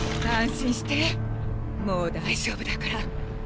安心してもう大丈夫だから。